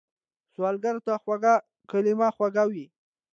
سوالګر ته خوږ کلام خواږه وي